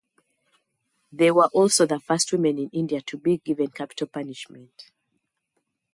They were also the first women in India to be given capital punishment.